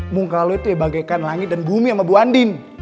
muka lo itu ya bagaikan langit dan bumi sama bu anding